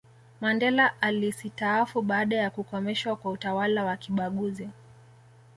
mandela alisitaafu baada ya kukomeshwa kwa utawala wa kibaguzi